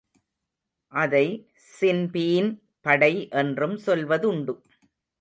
அதை ஸின்பீன் படை என்றும் சொல்வதுண்டு.